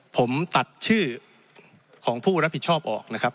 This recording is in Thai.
ผมตัดชื่อของผู้รับผิดชอบออกนะครับ